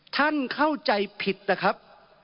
ท่านเข้าใจผิดนะครับ